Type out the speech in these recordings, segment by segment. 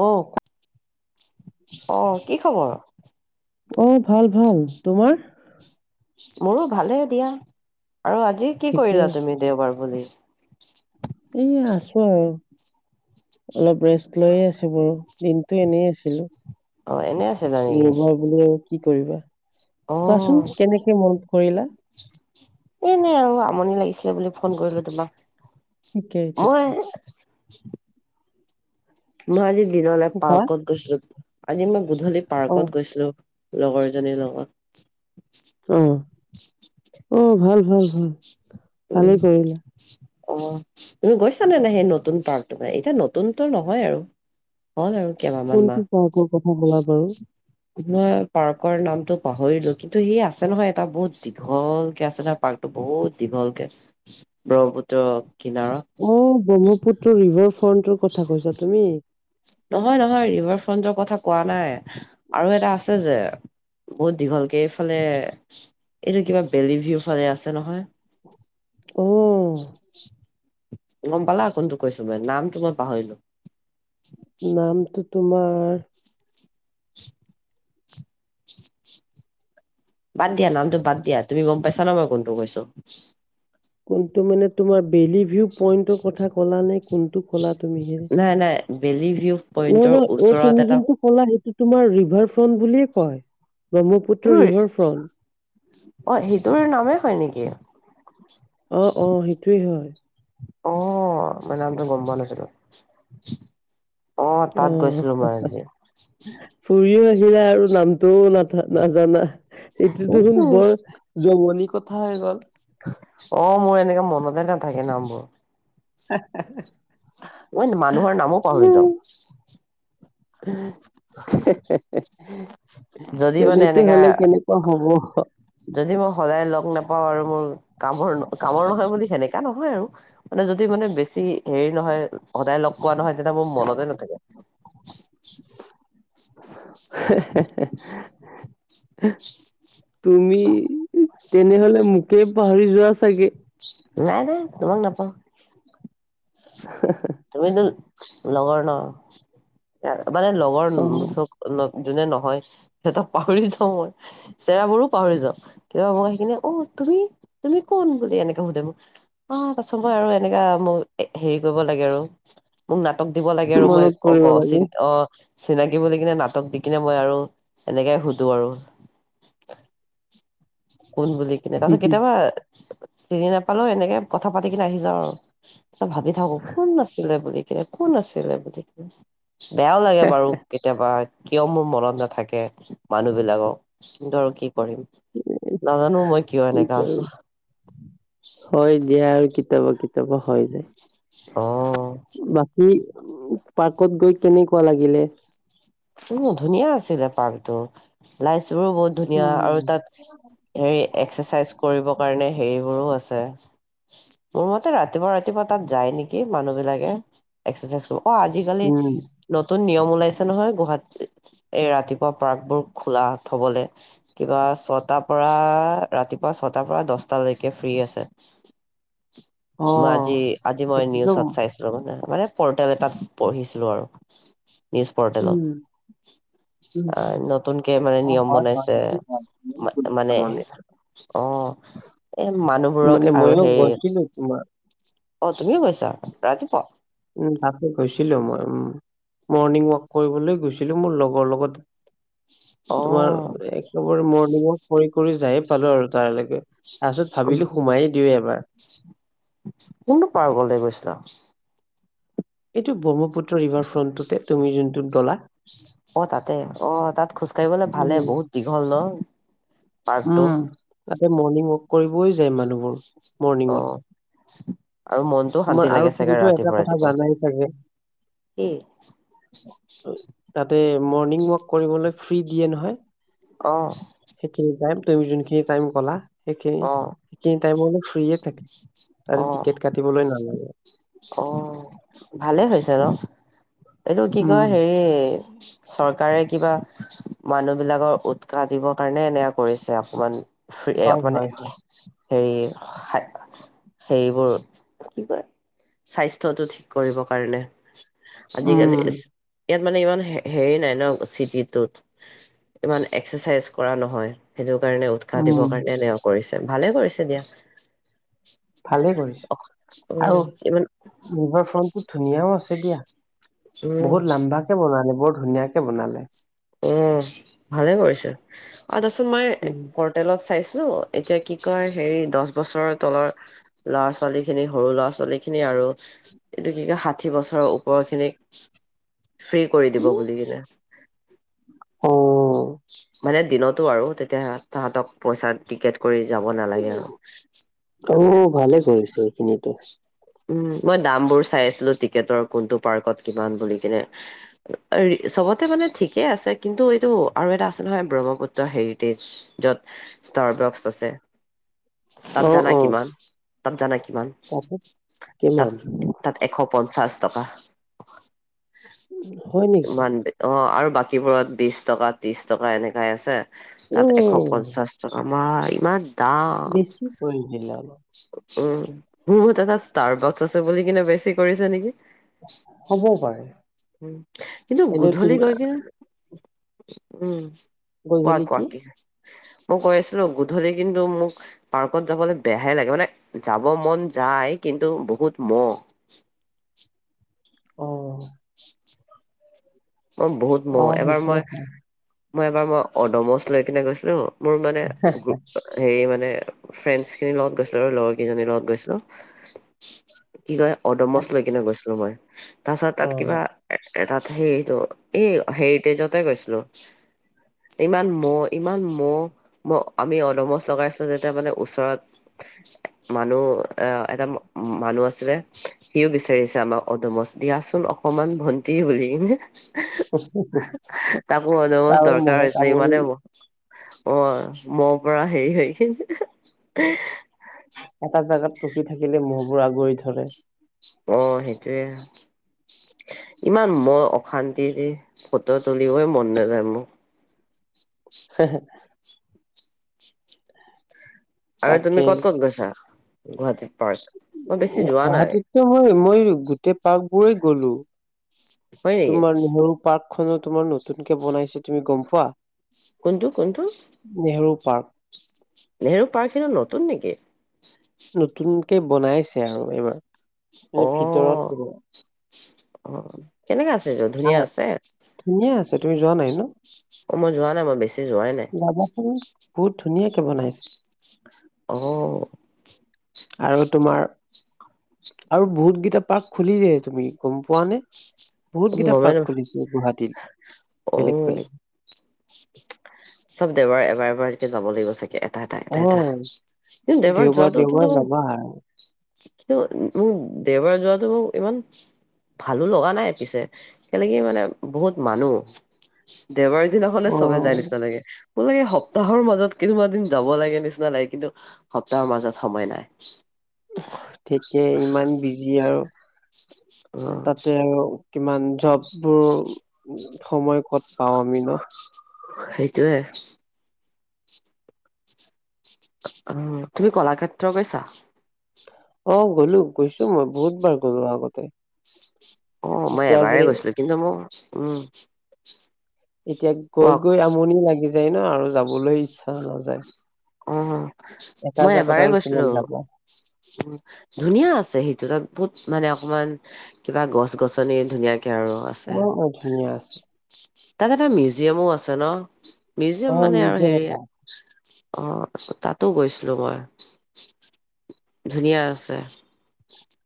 অ'। অ' কি খবৰ? অ' ভাল ভাল তোমাৰ। মোৰো ভালে দিয়া আৰু আজি কি কৰিলা ঠিকেই। তুমি দেওবাৰ। বুলিলে, এ আছো আৰু অলপ ৰেষ্ট লয়ে আছো বাৰু দিনতটো এনেই আছিলো। অ' এনে আছে জ নেকি? দুৰ্বল বুলি আৰু কি কৰিবা অ কোৱাচোন কেনেকে মন কৰিলা। এ নাই আৰু আমনি লাগিছিলে বুলি ফোন কৰিলো তোমাক। ঠিকেই - মই ঠিকেই। মই আজি দিনলৈ কোৱা পাৰ্কত গৈছিলো আজি মই গধূলি অ' পাৰ্কত গৈছিলো। লগৰ এজনীৰ লগত। আহ আহ ভাল ভাল ভাল উম ভালেই কৰিলা। অ' তুমি গৈছানে নে সেই নতুন পাৰ্ক ত মে এতিয়া নতুনতো নহয় আৰু হল আৰু কেইমাহান কোনটো মাহ পাৰ্কৰ কথা ক'লা বাৰু? তই পাৰ্কৰ নামটো। পাহৰিলো কিন্তু সি আছে নহয়। টা বহুত দীঘল কে আছে ন পাৰ্কতটো বহুত দীঘলকে ব্ৰহ্মপুত্ৰ, কিনাৰত অ' ব্ৰহ্মপুত্ৰ ৰিভাৰ ফ্ৰণ্টৰ কথা কৈছা তুমি। নহয় - নহয় ৰিভাৰ ফ্ৰণ্টৰ কথা কোৱা নাই আৰু এটা আছে যে। বহুত দীঘলকে এইফালে এইটো কিবা বেলি ভিউ ফালে আছে নহয়। অ' গম পালা কোনটো কৈছো মান নামটো মই পাহৰিলো। নামটো তোমাৰ। বাদ দিয়া নামটো বাদ দিয়া তুমি গম পাইছা ন মই কোনটো কৈছো। কোনটো মানে তোমাৰ বেলি ভিউ পইণ্ন্টৰ কথা ক'লা নে কোনটো ক'লা তুমি হেৰে। বেলেলি নহ নহয় অ তুমি যোনটো ক'লা সেইটো তোমাৰ ৰিভাৰ ফ্ৰন্ট বুলিয়ে কয় ব্ৰহ্মপুত্ৰ সেইটোৰ ৰিভাৰ ফ্ৰণ্ট অ' সেইটোৰ নামেই হয় নেকি? অ' অ' সেইটোৱে হয়। আহ মানে আম তো গম পোৱা নাছিলো। অ তাত গৈছিলো মই অ' আজি ফুৰিও আহ। আৰু নামটোও না নাজানা সটোতো শুন উম, বৰ যন কথা হৈ গ'ল। অ' মোৰ এনেককাে মনতে নাথাকে নামবোৰ ম মানুহৰ নামো পাহৰি যাওঁ। যদি মানে তেনেকে এনেকা হলে কেনেকুৱা হব। যদি মই সদায় লগ নাপাওঁ আৰু মোৰ কামৰ কামৰ নহয় বুলি সেনেকা নহয় আৰু মানে যদি মানে বেছি হেৰি নহয় সদায় লগ পোৱা নহয় তেতিয়া মোৰ মনতে নাথাকে, হ তুমি তেনেহলে মোকে পাহৰি যোৱা চাগে। নাই দোই তোমাক নাপাওঁ। তুমিতো লগৰ ন মানে লগৰ, অ যোনে নহয় সিহঁতক পাহৰি যাওঁ মই চেৰাবোৰো পাহৰি যাওঁ কেতিাবা মোক সেই কিিননে অ' তুমি - তুমি কোন বুলি এনেকে সোধে মোক অ, পাছ মই আৰু এনেকা মোক হেৰি কৰিব। লাগ আৰু মোক নাটক দিব লাগে আৰু মই মনত পৰিব চ লাগে অ' চিনাকি বুলি কিনে নাটক দি কিনে মই আৰু এনেকাই সুধো আৰু। কোন বুলি কিনে তাৰ পিছত কেতিয়াবা? চিনি নাপালো এনেকে কথা পাতি কিনে আহি যাও আৰু পাছত ভাবি থাকো কোন নাছিলে বুলি কে কোন আছিলে বুলি কি বেয়াও লাগে বাৰু কেতিয়াবা কিয় মোৰ মনত নাথাকে মানুহ বিলাকক কিন্তু আৰু কি কৰিম। নাজানো মই কিয় এনেকা আছো [unintelligible] হয় দিয়া আৰু কেত কেতিয়াবা-কেতিয়াবা হয় যায় অ বাকী পাৰ্কত গৈ কেনেকুৱা লাগিলে? উম, ধুনীয়া আছিলে পাৰ্কটো লাইফ ৰো বহুত ধুনীয়া আৰু উম, তাত হে এক্সাৰচাইজ কৰিব কাৰণে হেৰিবোৰো আছে মোৰ মতে ৰাতিপুৱা-ৰাতিপুৱা তাত যায় নেকি মানুহ বিলাকে এক্সাৰচাইজ অ, আজিকালি উম, নতুন নিয়ম ওলাইছে নহয় গুৱাহাটী এই ৰাতিপুৱা পাৰ্ক বোৰ খোলা থবলে কিবা ছটাৰ পৰা ৰাতিপুৱা ছ নটাৰ পৰা দচটালৈকে ফ্ৰী আছে। মই অ', আজি-আজি মই সেইটোতো নিউজত চাইছিলো মানে - মানে। পৰ্টেল এটাত পঢ়িছিলো আৰু নিউজ পৰ্টেলত উম, উম, অ, নতুনকে মানে অ', নিয়ম হয়, হয়, বনাইছে সেইটো হয়, ময়ো গৈছোঁ মানে তাৰমানে। অ এ মানুহবোৰক মানে আৰু ময়ো সেই গৈছিলোঁ তোমাৰ, অ, তুমিও গৈছা ৰাতিপুৱা? উম তাকে গৈছিলোঁ মই উম মৰ্ণিং ৱাক কৰিবলৈ গৈছিলোঁ মোৰ লগৰ লগত। অ তোমাৰ একেবাৰে মৰ্ণিং ৱাক কৰি-কৰি যায়ে পালোঁ আৰু তাৰ লৈকে তাৰপিছত ভাবিলোঁ সোমাই দিওঁ এবাৰ। কোনটো পাৰ্কলৈ গৈছিলা? এইটো ব্ৰহ্মপুত্ৰ ৰিভাৰ ফ্ৰণ্টটোতে তুমি যোনটোত গ'লা অ' তাতে অ' তাত খোজ কাঢ়িবলৈ ভালে উম। বহুত দীঘল ন' পাৰ্কটো উম তাতে মৰ্ণিংৱাক কৰিবই যায় মানুহবোৰ অ আৰু মনটোও মৰ্ণিঙত। শান্তি তোমাৰ আৰু লাগে চাগে তুমিতো এটা ৰাতিপুৱা কথা ৰাতিপুৱা জানাই চাগে কি? তাতে মৰ্ণিংৱাক কৰিবলৈ ফ্ৰী দিয়ে নহয়। অ'। সেইখিনি টাইম তুমি যোনখিনি টাইম কলা সেইখিনি অ সেইখিনি টাইম ফ্ৰীয়ে থাকে, অ তাৰে টিকেট কাটিবলৈ নালাগে। অ' ভালেই হৈছে ন'। এইটো কি উম। কয় হেৰি চৰকাৰে কিবা মানুহবিলাকৰ উৎসাহ দিবৰ কাৰণে এনেকে কৰিছে অকমান ফ্ৰী হয় মানে হয় হয়। হেৰি-হেৰিবোৰ কি কয় স্বাস্থ্যটো ঠিক কৰিবৰ কাৰণে, আজিকালি উম ইয়াত মানে ইমান হেৰি নাই ন' চিটিটোত ইমান এক্সাৰচাইজ কৰা নহয় সেইটো সেই কাৰণে উৎসাহ দিবৰ উম। কাৰণে এনেকা কৰিছে, ভালে কৰিছে দিয়া। ভালে কৰিছে আৰু উম ইমান ৰিভাৰ ফ্ৰন্টটো ধুনীয়াও আছে দিয়া, উম বহুত লাম্বাকে বনালে বৰ ধুনীয়াকে বনালে। উম ভালে কৰিছে আৰু তাৰ পিছত মই উম। পৰ্টেলত চাইছোঁ এতিয়া কি কয় হেৰি দহ বছৰৰ তলৰ ল'ৰা-ছোৱালী খিনি সৰু ল'ৰা-ছোৱালী খিনি আৰু এইটো কি কয় ষাঠি বছৰৰ ওপৰ খিনিক ফ্ৰী কৰি দিব বুলি কিনে। অ', মানে দিনতো আৰু তেতিয়া তাহতক পইচা টিকেট কৰি যাব নালাগে আৰু উ ভালে কৰিছে এইখিনিতো। উম মই দামবোৰ চাই আছিলো টিকেটৰ কোনটো পাৰ্কত কিমান বুলি কিনে চবতে মানে ঠিকেই আছে কিন্তু এইটো আৰু এটা আছে নহয় ব্ৰহ্মপুত্ৰ হেৰিটেজ যত ষ্টাৰ বক্স আছে তাত অ', জানা অ'। কিমান - তাত জানা কিমান? পাছত কিমান তাত- তাত এশ পঞ্চাশ টকা। হয় নেকি ইমান অ' আৰু বাকীবোৰত বিশ টকা ত্ৰিশ টকা এনেকাই আছে। তাত এশ উম পঞ্চাশ টকা ম ইমান। দাম বেছি কৰিৈছিলিলান [inaudible] উম মোৰ মতে তাত ষ্টাৰ বক্স আছে বুলি কিনে বেছি কৰিছে নেকি। হ'ব পাৰে উম, কিন্তু এনে গধূলি তুমি গৈ কি উম, কোৱা কোৱা কি মই কৈ আছিলো গধূলি কিন্তু মোক পাৰ্কত যাবলৈ বেয়াহে লাগে মানে যাব মন যায়। কিন্তু বহুত মহ। অ', অ' বহুত ম অ এবাৰ হ'ব মই মই এবাৰ মই অদমচ লৈ কিনে গৈছিলো মোৰ মানে হেৰি মানে। ফ্ৰেছ খিৰ লগত গৈছিলো আৰু লগৰ কেইজনীৰ লগত গৈছিলো [inaudible] কি কয় অদমছ লৈ কিনে গৈছিলো মই তাৰপিছত অ তাত কিবা এ তাত সেই ত' এই হেৰিটেজতে গৈছিলো। ইমান মহ ইমান মহ ম আমি অলমচ লগাইছিলো যেতিয়া মানে ওচৰত। মানুহ আহ এটা মানুহ আছিলে সিও বিচাৰিছে আমাক অদুমছ দিয়াচোন অসমমান ভণ্টি বুলি কি যে [inaudible] তাকো অদমছ আৰু দৰকাৰ মহে হৈছে ন কামুৰি ইমানেই [inaudible] অ' মই পৰা হেৰি হৈ কি [inaudible] এটা জাগাত টুকি থাকিলে মহবোৰ আগুৱৰি ধৰে। অ' সেইটোৱে। ইমান মই অশান্তি ফটো তুলিবই মন নাযায় মোক। হ হ [inaudible] আৰু তুমি তাকে ক'ত ক'ত গৈছা গুৱাহাটীত? পাৰ্ক মই বেছি যোৱা নাই গুৱাহাটীততো মই মই গোটেই পাৰ্ক গলো হয় নেকি তোমাৰ নহৰু পাৰ্ক খনো তোমাৰ নতুনকে বনাইছে তুমি গম পোৱা? কোনটো কোনটো? পাৰ নেহেৰু পাৰ্ক খেইটো নতুন নেকি? নতুনকে বনাইছে আৰু এইবাৰ, অ মানে ভিতৰৰটোৱে। অ কেনেকা আছে য ধুনীয়া আছে? তে তুমি যোৱা নাই ন? অ, মই যোৱা নাই মই বেছি যোৱাই নাই যাবাচোন বহুত ধুনীয়াকে বনাইছে। অহ ', আৰু তোমাৰ আৰু বহুতকেইটা পাৰ্ক খুলিলে, তুমি গম পোৱা নে? গমেই বহুতকেইটা নাপাওঁ পাৰ্ক খুলিছে অ গুৱাহাটীত বেলেগ বেলেগ। চব দেওবাৰ এবাৰ এবাৰকে যাব লাগিব চাগে এটা এটা অ' দেওবাৰে দেওবাৰ যোৱাটো কিন্তু দেওবাৰ যাবা কিন্তু মোক দেওবাৰে যোৱাটো মোক ইমান ভালো লগা নাই পিছে কেনেক কি মানে বহুত মানুহ দেওবাৰৰ দিনাখন চবে যাই অ' নিচিনা লাগে। ম লাগে সপ্তাহৰ মাজত কেইদমান দিন যাব লাগে নিচিনা লাগে কিন্তু সপ্তাহৰ মাজত সময় নাই। থিকে ইমান বিজি আৰু অ তাতে আৰু কিমান জববোৰ সময় ক'ত পাওঁ আমি ন সেইটোৱে অ তুমি কলাক্ষেত্ৰ গৈছা অ গ'লো গৈছো মই বহুত বাৰ গ'লো আগতে অ মই এতিয়া যে এবাৰেই গৈছিলো কিন্তু মোক উম এতিয়া গৈ কোৱা গৈ আমনি লাগি যায় ন আৰু যাবলৈ ইচ্ছা। নাযায় অ এটা মই জাগাত এবাৰে আৰু গৈছিলো কিমান যাবা উম ধুনীয়া আছে সেইটো তাত বহুত মানে অকমান কিবা গছ গছনি ধুনীয়াক বৰ মই ধুনীয়া আছে তাত এটা মিউজিয়ামো আছে ন মিউজিয়াম অ মানে আৰু মিউজিয়াম হেৰি এটা অ তাতো গৈছিলো মই। ধুনীয়া আছে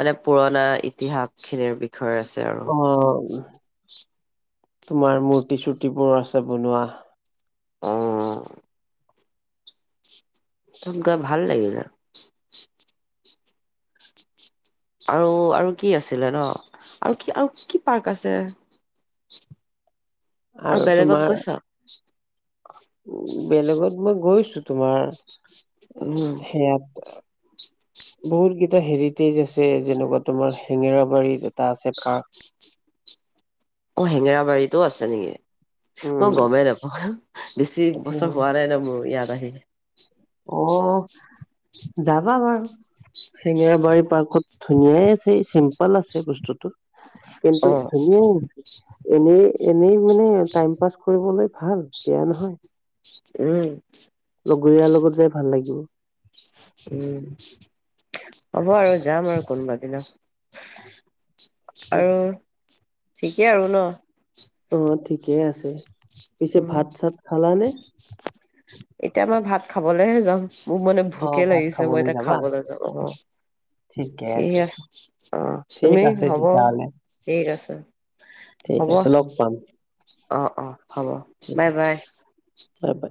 মানে পুৰণা ইতিহাস খিনিৰ বি থয় আছে আৰু। অ তোমাৰ মূৰ্তি চূ্তিবোৰ আছে বনোৱা অহ তত ভাল লাগিলে আৰু আৰু কি আছিলে ন আৰু কি আৰু কি পাৰ্ক আছে [unintelligible] আৰু বেলেগত তোমাৰ গৈছা বেলেগত মই গৈছো। তোমাৰ উম সেয়াত বহুত কেইটা হেৰিটেজ আছে যেনেকুৱা তোমাৰ হেঙেৰাবাৰীত এটা আছে পাৰ্ক অ হেঙেৰাবাৰীতো আছে নিকি উম মই গমেই নাপাওঁ বেছি বছৰ সেই- হোৱা নাই ন মোৰ ইয়াত আহি অ [unintelligible] যাবা বাৰু শেঙেৰাবাৰী পাৰ্কত ধুনীয়াই আছে চিম্পল আছে বস্তুতটো কিন্তু অ ধুনীয়া এনে এনেই মানে টাইম পাছ কৰিবলে ভাল বেয়া নহয় উম লগৰীয়াৰ লগত যাই ভাল লাগিব উম হ'ব আৰু যাম আৰু কোনোবা দিনা আৰু ঠিকেই আৰু ন অ ঠিকে আছে পিছে উম, ভাত চাত খালা নে এতিয়া মই ভাত খাবলেহে যাম মোক মানে অ ভোকে ভাত লাগিছে মই খাবলৈ এতিয়া যাবা খাবলে যাওঁ অ ঠিক আছে অ ঠিক তুমি আছে হ'ব তেতিয়াহ'লে ঠিক আছে ঠিক হ'ব আছে লগ পাম অ অ হ'ব ঠিক বাই বাই বাই বাই